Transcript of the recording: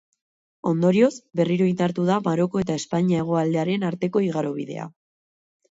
Ondorioz, berriro indartu da Maroko eta Espainia hegoaldearen arteko igarobidea.